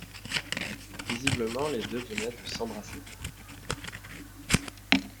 Visiblement, les deux venaient de s’embrasser.